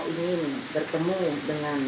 ini bertemu dengan